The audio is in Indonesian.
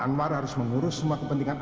tidak tidak tidak jangan